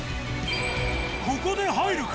ここで入るか？